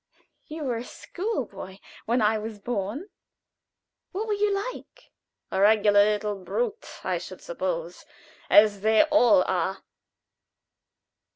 You were a school boy when I was born. What were you like?" "A regular little brute, I should suppose, as they all are."